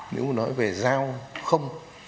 nếu mà nói về dao không